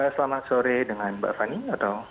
selamat sore dengan mbak fani atau